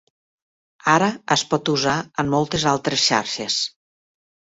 Ara es pot usar en moltes altres xarxes.